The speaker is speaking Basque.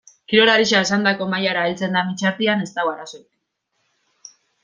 Kirolaria esandako mailara heltzen den bitartean ez dago arazorik.